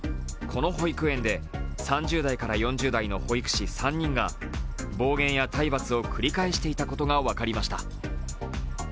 この保育園で３０代から４０代の保育士３人が暴言や体罰を繰り返していたことが分かりました。